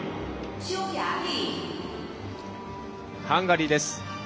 ハンガリーです。